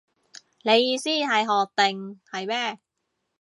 你意思係學定係咩